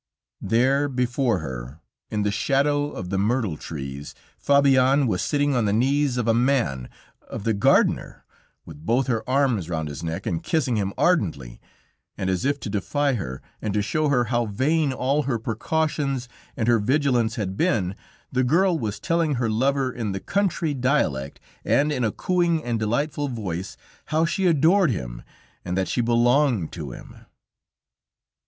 There before her, in the shadow of the myrtle trees, Fabienne was sitting on the knees of a man of the gardener with both her arms round his neck and kissing him ardently, and as if to defy her, and to show her how vain all her precautions and her vigilance had been, the girl was telling her lover in the country dialect, and in a cooing and delightful voice, how she adored him and that she belonged to him....